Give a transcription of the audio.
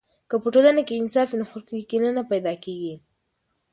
که په ټولنه کې انصاف وي، نو خلکو کې کینه نه پیدا کیږي.